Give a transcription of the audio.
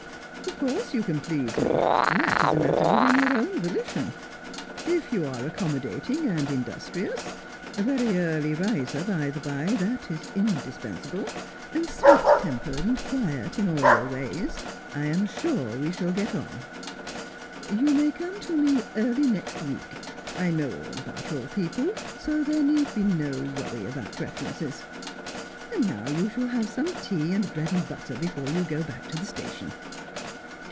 ' Of course you can please me. That is a matter within your own volition. If you are accommodating and industrious — a very early riser, by the bye, that is indispensable — and sweet tempered, and quiet in all your ways, I am sure we shall get on. You may come to me early next week. I know all about your people, so there need be no worry about references. And now you shall have some tea and bread and butter before you go back to the station.'